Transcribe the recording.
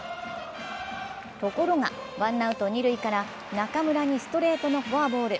ところが、ワンアウト二塁から中村にストレートのフォアボール。